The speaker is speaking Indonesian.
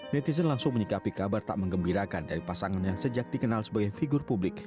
netizen langsung menyikapi kabar tak mengembirakan dari pasangan yang sejak dikenal sebagai figur publik